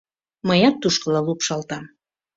Мыят тушкыла лупшалтам.